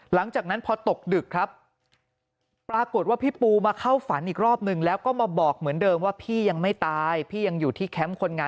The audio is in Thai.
หลังจากนั้นพอตกดึกครับปรากฏว่าพี่ปูมาเข้าฝันอีกรอบหนึ่ง